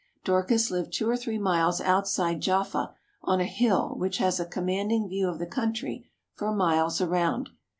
Dorcas lived two or three miles outside Jaffa on a hill which has a commanding view of the country for miles around.